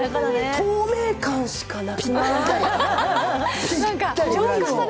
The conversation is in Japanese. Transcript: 透明感しかなくない？